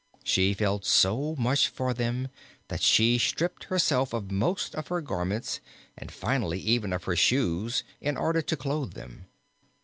She felt so much for them that she stripped herself of most of her garments and finally even of her shoes in order to clothe them.